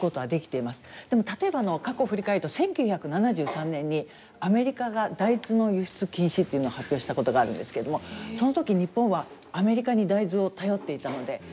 でも例えば過去を振り返ると１９７３年にアメリカが大豆の輸出禁止っていうのを発表したことがあるんですけれどもその時日本はアメリカに大豆を頼っていたので大騒ぎになったんですね。